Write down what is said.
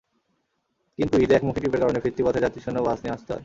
কিন্তু ঈদে একমুখী ট্রিপের কারণে ফিরতি পথে যাত্রীশূন্য বাস নিয়ে আসতে হয়।